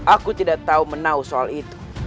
aku tidak tahu menau soal itu